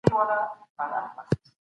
د زعفرانو په رنګ به رنګین وي.